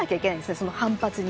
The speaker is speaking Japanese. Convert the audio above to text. その反発に。